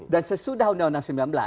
dan sesudah undang undang sembilan belas